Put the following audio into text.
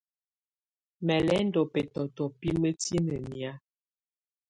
Mɛ̀ lɛ̀ ndù bɛtɔtɔ bɛ mǝtinǝ́ nɛ̀á.